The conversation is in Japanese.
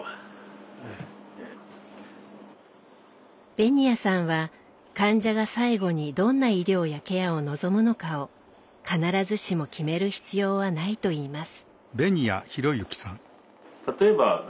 紅谷さんは患者が最後にどんな医療やケアを望むのかを必ずしも決める必要はないといいます。